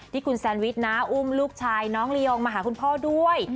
ที่คุณแซนวิชนะอุ้มลูกชายน้องลียองมาหาคุณพ่อด้วย